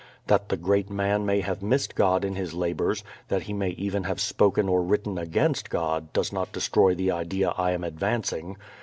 That the great man may have missed God in his labors, that he may even have spoken or written against God does not destroy the idea I am advancing.